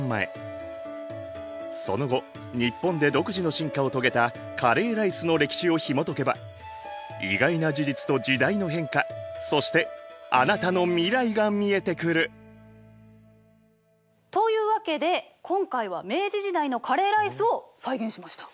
その後日本で独自の進化を遂げたカレーライスの歴史をひもとけば意外な事実と時代の変化そしてあなたの未来が見えてくる！というわけで今回は明治時代のカレーライスを再現しました！